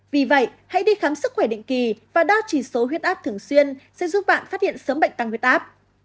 vì vậy hãy đi khám sức khỏe định kỳ và đo chỉ số huyết áp thường xuyên sẽ giúp bạn phát hiện sớm bệnh tăng huyết áp